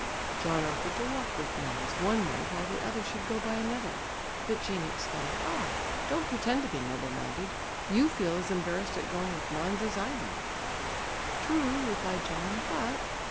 John offered to walk with Måns one way while the others should go by another, but Jean exclaimed, "Ah! don't pretend to be noble minded! you feel as embarrassed at going with Måns as I do." "True," replied John, "but...."